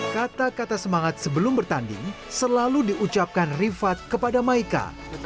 kata kata semangat sebelum bertanding selalu diucapkan rifat kepada maika